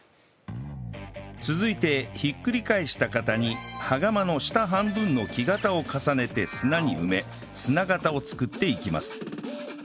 続いてひっくり返した型に羽釜の下半分の木型を重ねて砂に埋め砂型を作っていきます